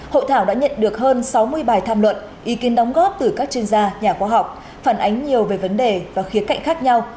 hội thảo đã nhận được hơn sáu mươi bài tham luận ý kiến đóng góp từ các chuyên gia nhà khoa học phản ánh nhiều về vấn đề và khía cạnh khác nhau